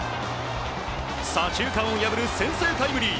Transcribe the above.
左中間を破る先制タイムリー。